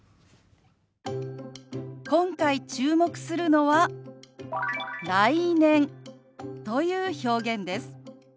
今回注目するのは「来年」という表現です。